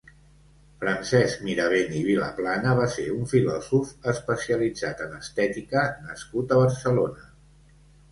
Francesc Mirabent i Vilaplana va ser un filòsof especialitzat en estètica nascut a Barcelona.